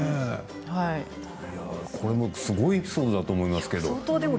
これもすごいエピソードだと思いますけれども。